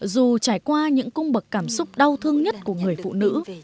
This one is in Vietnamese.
dù trải qua những cung bậc cảm xúc đau thương nhất của người phụ nữ